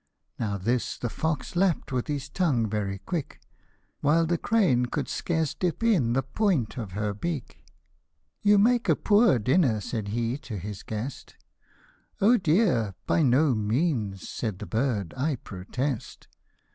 37 Now this the fox lapp'd with his tongue very quick, While the crane could scarce dip in the point of her beak ;" You make a poor dinner/' said, he, to his guest ;" O dear ! by no means," said the bird, " I protest."